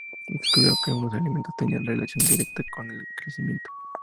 Descubrió que unos alimentos tenían relación directa con el crecimiento.